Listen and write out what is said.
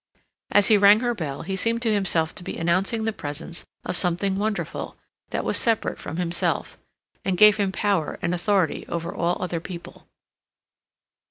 As he rang her bell, he seemed to himself to be announcing the presence of something wonderful that was separate from himself, and gave him power and authority over all other people.